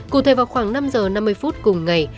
cụ thể vào khoảng năm giờ năm mươi phút cùng ngày